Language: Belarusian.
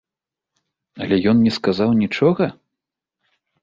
Але ён не сказаў нічога?